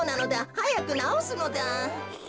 はやくなおすのだ。